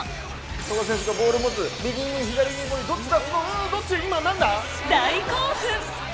富樫選手がボール持つ右に左にどっち出す⁉大興奮！